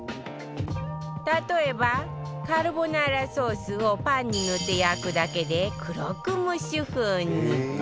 例えばカルボナーラソースをパンに塗って焼くだけでクロックムッシュ風に